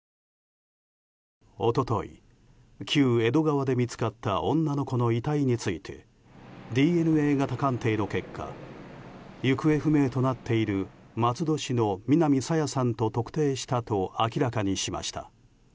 一昨日、旧江戸川で見つかった女の子の遺体についてＤＮＡ型鑑定の結果行方不明となっている松戸市の南朝芽さんと特定したと明らかにしました。